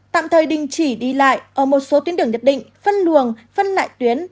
năm tạm thời đình chỉ đi lại ở một số tuyến đường nhất định phân luồng phân lại tuyến